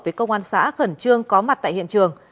với công an xã khẩn trương có mặt tại hiện trường